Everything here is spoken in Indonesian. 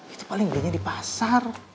itu paling belinya di pasar